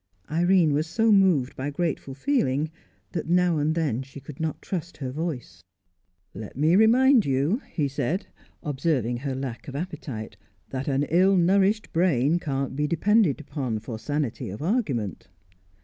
Irene was so moved by grateful feeling, that now and then she could not trust her voice. "Let me remind you," he said, observing her lack of appetite, "that an ill nourished brain can't be depended upon for sanity of argument."